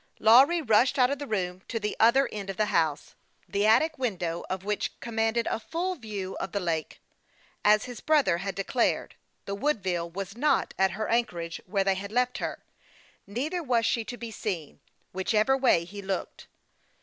Lawry rushed out of the room to the other end of the house, the attic window of which commanded a full view of the lake. As his brother had declared, the Woodville was not at her anchorago where they had left her ; neither was she to be seen, whichever way he looked.